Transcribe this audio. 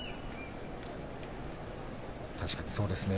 確かに、そうですね。